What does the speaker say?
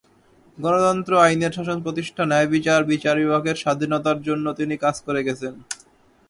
গণতন্ত্র, আইনের শাসন প্রতিষ্ঠা, ন্যায়বিচার, বিচার বিভাগের স্বাধীনতার জন্য তিনি কাজ করে গেছেন।